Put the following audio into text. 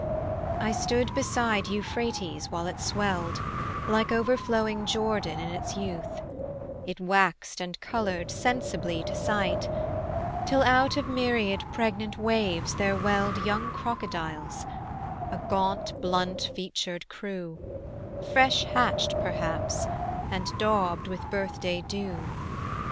I stood beside Euphrates while it swelled Like overflowing Jordan in its youth: It waxed and colored sensibly to sight, Till out of myriad pregnant waves there welled Young crocodiles, a gaunt blunt featured crew, Fresh hatched perhaps and daubed with birthday dew.